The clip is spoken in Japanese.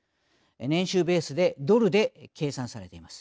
年収ベースでドルで計算されています。